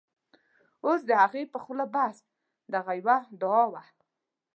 اوس د هغې په خوله بس، دغه یوه دعاوه